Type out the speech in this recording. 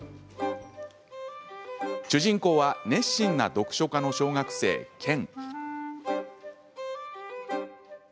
主人公は熱心な読書家の小学生・剣。